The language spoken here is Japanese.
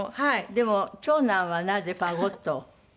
でも長男はなぜファゴットを？